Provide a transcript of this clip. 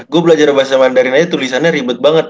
gue belajar bahasa mandarin aja tulisannya ribet banget